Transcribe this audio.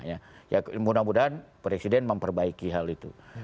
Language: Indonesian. ya mudah mudahan presiden memperbaiki hal itu